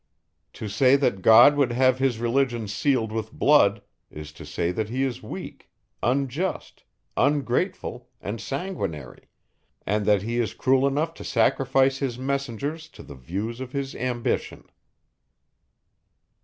To say that God would have his religion sealed with blood, is to say that he is weak, unjust, ungrateful, and sanguinary; and that he is cruel enough to sacrifice his messengers to the views of his ambition.